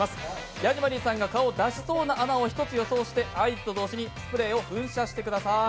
ヤジマリーさんが顔を出しそうなところを一つ予想して合図と同時にスプレーを噴射してください。